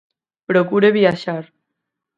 Procure viaxar.